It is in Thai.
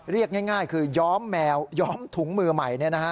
เรียกง่ายคือย้อมแมวย้อมถุงมือใหม่